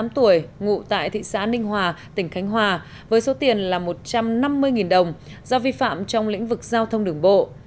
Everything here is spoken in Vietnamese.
tám tuổi ngụ tại thị xã ninh hòa tỉnh khánh hòa với số tiền là một trăm năm mươi đồng do vi phạm trong lĩnh vực giao thông đường bộ